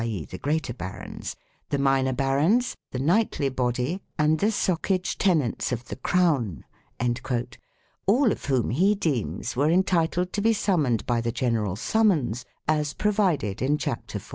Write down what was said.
e. the greater barons) the minor barons, the knightly body, and the socage tenants of the crown,'" 2 all of whom, he deems, were entitled to be summoned by the general summons, as provided in chapter 14.